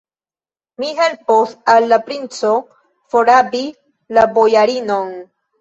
Mi helpos al la princo forrabi la bojarinon.